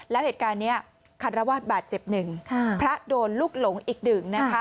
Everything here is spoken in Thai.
แล้วเหตุการณ์นี้คารวาสบาดเจ็บหนึ่งพระโดนลูกหลงอีกหนึ่งนะคะ